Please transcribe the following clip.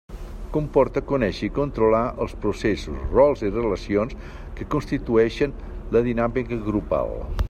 Comporta conéixer i controlar els processos, rols i relacions que constitueixen la dinàmica grupal.